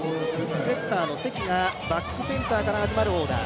セッターの関がバックセンターから始まるオーダー。